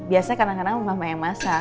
biasanya kadang kadang mama yang masak